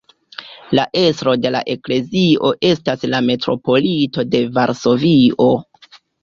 La estro de la eklezio estas la metropolito de Varsovio.